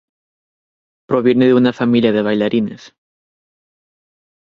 Proviene de una familia de bailarines.